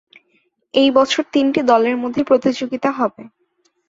এই বছর তিনটি দলের মধ্যে প্রতিযোগিতা হবে।